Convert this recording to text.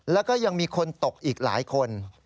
แล้วก็ยังมีคนตกอีกหลายคน